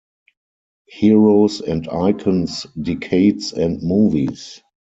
Heroes and Icons, Decades, and Movies!